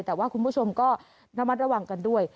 แต่ว่าคุณผู้ชมก็ระมัดระวังกันด้วย